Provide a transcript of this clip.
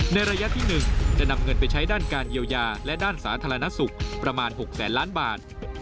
ในระยะที่๑จะนำเงินไปใช้ด้านการเยียวยาและด้านสาธารณสุขประมาณ๖แสนล้านบาท